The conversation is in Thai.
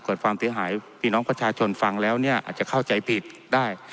เกิดความเสียหายพี่น้องประชาชนฟังแล้วเนี่ยอาจจะเข้าใจผิดได้